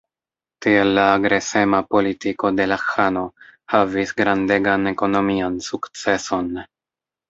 Tiel la agresema politiko de la ĥano havis grandegan ekonomian sukceson.